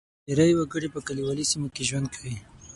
ډېری وګړي په کلیوالي سیمو کې ژوند کوي.